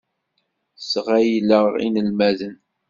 Sɣeyleɣ inelmaden.